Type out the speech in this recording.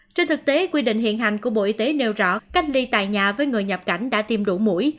trên thực tế quy định hiện hành của bộ y tế nêu rõ cách ly tại nhà với người nhập cảnh đã tiêm đủ mũi